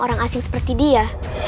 orang asing seperti dia